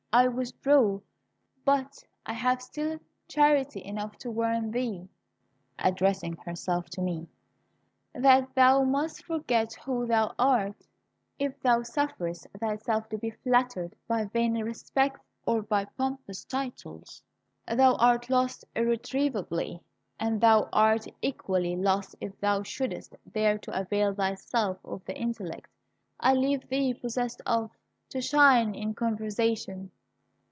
I withdraw; but I have still charity enough to warn thee," addressing herself to me, "that thou must forget who thou art. If thou sufferest thyself to be flattered by vain respects or by pompous titles, thou art lost irretrievably! And thou art equally lost if thou shouldst dare to avail thyself of the intellect I leave thee possessed of, to shine in conversation."